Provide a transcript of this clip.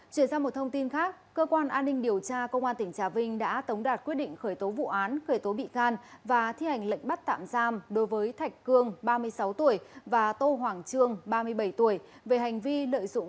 chuyển sang một thông tin khác cơ quan an ninh điều tra công an tỉnh trà vinh đã tống đạt quyết định khởi tố vụ án khởi tố bị can và thi hành lệnh bắt tạm giam đối với thạch cương ba mươi sáu tuổi và tô hoàng trương ba mươi bảy tuổi